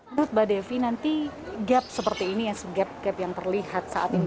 menurut mbak devi nanti gap seperti ini ya gap gap yang terlihat saat ini